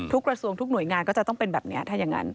กระทรวงทุกหน่วยงานก็จะต้องเป็นแบบนี้ถ้าอย่างนั้น